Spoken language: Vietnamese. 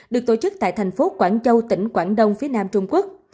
được tổ chức tại thành phố quảng châu tỉnh quảng đông phía nam trung quốc